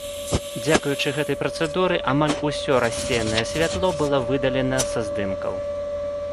Дзякуючы гэтай працэдуры, амаль усё рассеянае святло было выдалена са здымкаў.